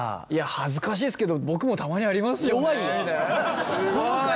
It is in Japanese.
恥ずかしいですけど僕もたまにありますよねみたいな。